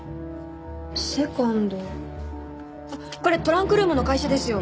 これトランクルームの会社ですよ。